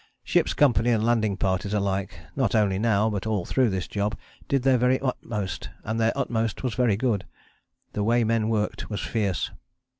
Ship's company and landing parties alike, not only now but all through this job, did their very utmost, and their utmost was very good. The way men worked was fierce.